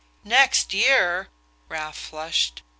"Next year?" Ralph flushed.